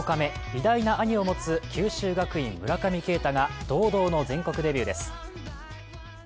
偉大な兄を持つ九州学院・村上慶太が堂々の全国デビューです。